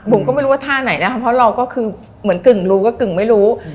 ผมก็ไม่รู้ว่าท่าไหนนะคะเพราะเราก็คือเหมือนกึ่งรู้ว่ากึ่งไม่รู้